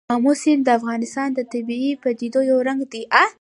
آمو سیند د افغانستان د طبیعي پدیدو یو رنګ دی.